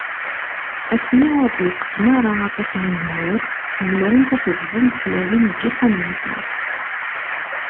Asmi ur d-leqqḍen ara aṭas n uzemmur, zemrent ad t-zḍent tlawin deg yixxamen-nsent.